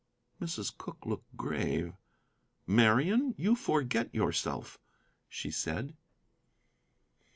Mrs. Cooke looked grave. "Marian, you forget yourself," she said.